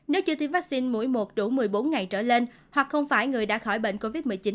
nếu chưa tiêm vaccine mũi một đủ một mươi bốn ngày trở lên hoặc không phải người đã khỏi bệnh covid một mươi chín